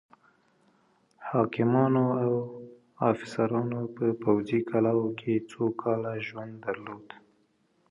حاکمانو او افسرانو په پوځي کلاوو کې سوکاله ژوند درلوده.